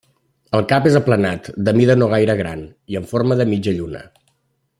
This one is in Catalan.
El cap és aplanat, de mida no gaire gran, i en forma de mitja lluna.